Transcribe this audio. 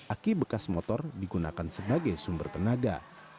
aki bekas motor digunakan sebagai sumber tenaga